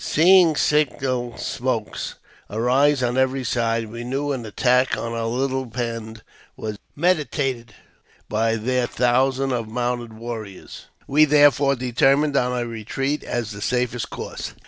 Seeing signal smokes arising on every side, we knew an attack on our little band was meditated by their thousands of mounted warriors. We therefore determined on a retreat as the safest course.